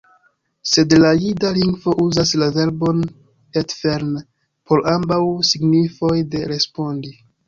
Sed la jida lingvo uzas la verbon entfern por ambaŭ signifoj de respondi.